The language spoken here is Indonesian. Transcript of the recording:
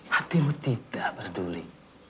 hatimu tidak peduli